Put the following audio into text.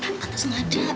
tante terus ngajak